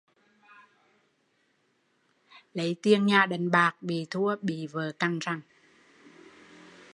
Lấy tiền nhà đánh bạc bị thua bị vợ cằn rằn